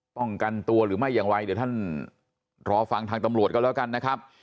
ป้องกันตัวหรือไม่อย่างไรเดี๋ยวท่านรอฟังทางตำรวจก็แล้วกันนะครับ